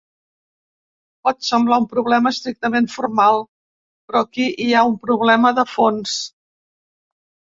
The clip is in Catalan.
Pot semblar un problema estrictament formal, però aquí hi ha un problema de fons.